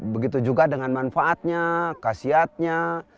begitu juga dengan manfaatnya kasiatnya